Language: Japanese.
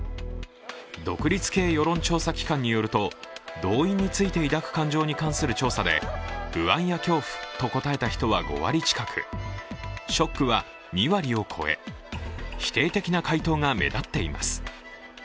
独立系世論調査機関によると、動員について抱く感情に関する調査で不安や恐怖と答えた人は５割近く、ショックは２割を超え、否定的な回答が目立っています。